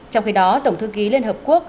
trong khi đó tổng thư ký liên hợp quốc